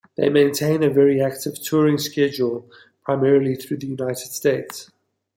They maintain a very active touring schedule, primarily through the United States.